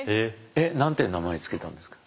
何て名前付けたんですか？